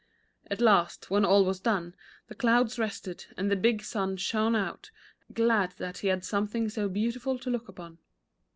At last, when all was done, the clouds rested, and the big sun shone out, glad that he had something so beautiful to look upon.